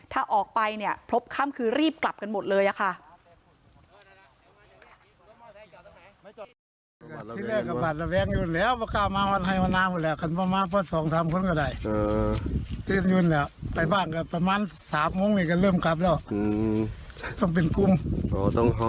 ถ้าออกไปเนี่ยพบค่ำคือรีบกลับกันหมดเลยอะค่ะ